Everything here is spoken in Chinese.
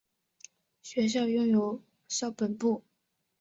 学院拥有校本部。